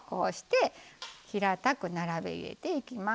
平たく並べ入れていきます。